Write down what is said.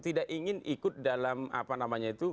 tidak ingin ikut dalam apa namanya itu